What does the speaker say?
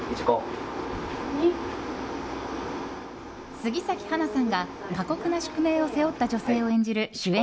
杉咲花さんが過酷な宿命を背負った女性を演じる主演